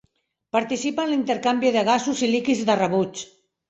Participa en l'intercanvi de gasos i líquids de rebuig.